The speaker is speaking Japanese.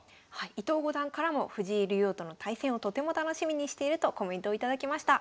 伊藤五段からも藤井竜王との対戦をとても楽しみにしているとコメントを頂きました。